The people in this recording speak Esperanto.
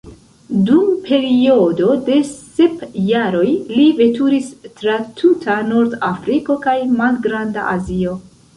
Dum periodo de sep jaroj li veturis tra tuta Nordafriko kaj Malgranda Azio.